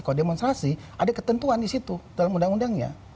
kalau demonstrasi ada ketentuan di situ dalam undang undangnya